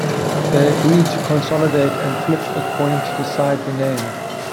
They agreed to consolidate, and flipped a coin to decide the name.